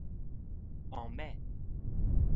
En mai.